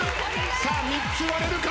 さあ３つ割れるか？